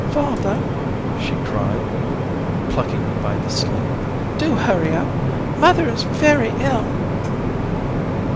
'Father,' she cried, plucking me by the sleeve, 'do hurry up. Mother is very ill.'